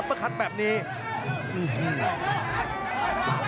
อื้อหือจังหวะขวางแล้วพยายามจะเล่นงานด้วยซอกแต่วงใน